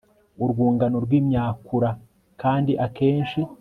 urwungano rwimyakura kandi akenshi